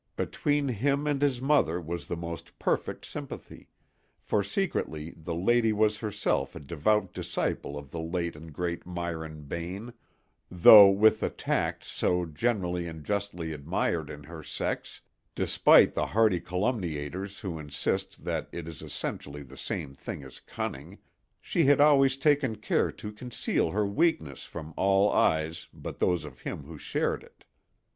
Between him and his mother was the most perfect sympathy, for secretly the lady was herself a devout disciple of the late and great Myron Bayne, though with the tact so generally and justly admired in her sex (despite the hardy calumniators who insist that it is essentially the same thing as cunning) she had always taken care to conceal her weakness from all eyes but those of him who shared it.